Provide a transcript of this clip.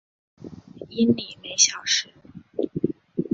英里每小时。